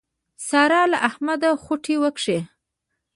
سارا له احمده خوټې وکښې.